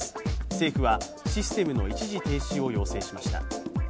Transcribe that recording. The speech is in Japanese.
政府はシステムの一時停止を要請しました。